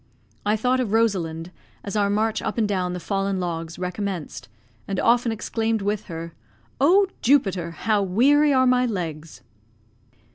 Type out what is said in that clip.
I thought of Rosalind, as our march up and down the fallen logs recommenced, and often exclaimed with her, "Oh, Jupiter! how weary are my legs!"